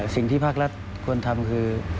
สิ่งที่ภาครัฐควรทำคือ